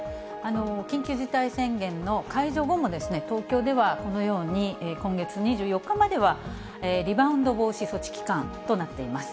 緊急事態宣言の解除後も、東京ではこのように、今月２４日まではリバウンド防止措置期間となっています。